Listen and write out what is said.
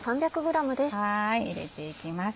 入れていきます。